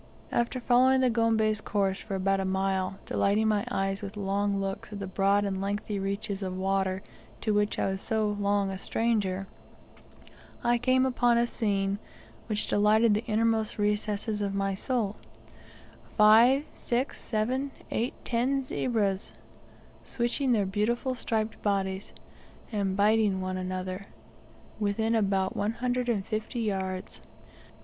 After following the Gombe's course for about a mile, delighting my eyes with long looks at the broad and lengthy reaches of water to which I was so long a stranger, I came upon a scene which delighted the innermost recesses of my soul; five, six, seven, eight, ten zebras switching their beautiful striped bodies, and biting one another, within about one hundred and fifty yards.